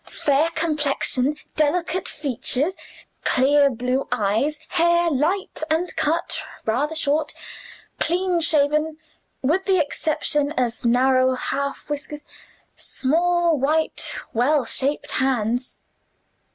Fair complexion, delicate features, clear blue eyes. Hair light, and cut rather short. Clean shaven, with the exception of narrow half whiskers. Small, white, well shaped hands.